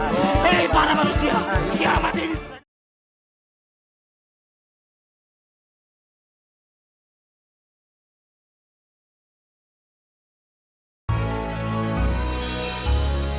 eh para manusia kiamat ini sudah dekat